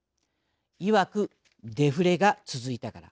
いわくデフレが続いたから。